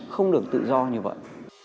không được tự do như vậy